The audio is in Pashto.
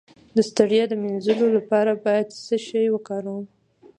د ستړیا د مینځلو لپاره باید څه شی وکاروم؟